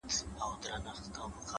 د سړک اوږدوالی د فکر تګ ورو کوي.!